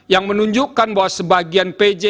yang menunjukkan bahwa sebagian pj